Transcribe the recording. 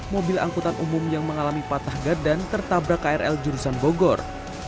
mobil angkutan umum yang mengalami patah gadan tertabrak krl jurusan bogor